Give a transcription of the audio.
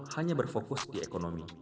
hanya berfokus di ekonomi